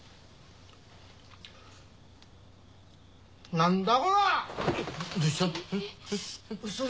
何だこれ！？